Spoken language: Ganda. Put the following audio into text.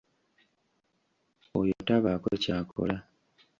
Oyo tabaako kyakola.